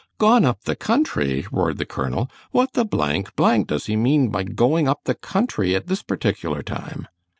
"Gone up the country!" roared the colonel; "what the blank, blank, does he mean by going up the country at this particular time?"